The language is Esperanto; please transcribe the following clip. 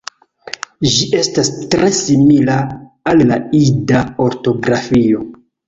Ĝi estas tre simila al la Ida ortografio.